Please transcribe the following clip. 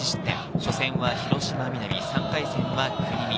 初戦は広島皆実、３回戦は国見。